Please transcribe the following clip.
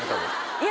いや。